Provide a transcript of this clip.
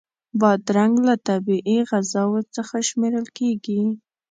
بادرنګ له طبعی غذاوو څخه شمېرل کېږي.